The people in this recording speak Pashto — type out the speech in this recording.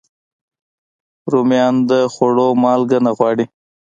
رومیان د خوړو مالګه نه غواړي